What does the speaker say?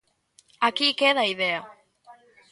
Aquí queda a idea.